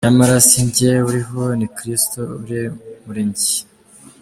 Nyamara si jye uriho, ni Kristo uri muri jye!”.